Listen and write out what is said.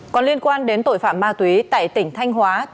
còn liên quan đến tội phạm ma túy tại tỉnh thanh hóa